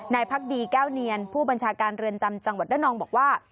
พักดีแก้วเนียนผู้บัญชาการเรือนจำจังหวัดระนองบอกว่า